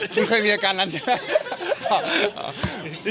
คุณเคยมีอาการนั้นใช่ไหม